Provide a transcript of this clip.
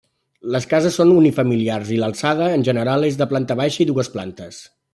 Les cases són unifamiliars i l'alçada en general és de planta baixa i dues plantes.